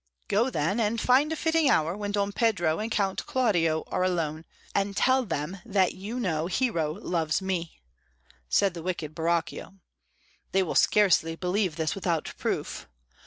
"Go, then, find a fitting hour when Don Pedro and Count Claudio are alone, and tell them that you know Hero loves me," said the wicked Borachio. "They will scarcely believe this without proof.